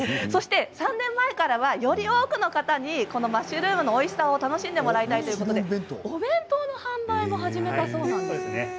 そして３年前からより多くの方にこのマッシュルームのおいしさを楽しんでもらいたいということでお弁当の販売も始めたそうなんです。